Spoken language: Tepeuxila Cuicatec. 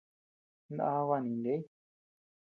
Ndá bani jineʼey.